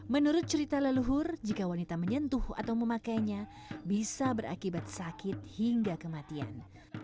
menurut cerita leluhur jika wanita menyentuh atau memakainya bisa berakibat sakit hingga kematian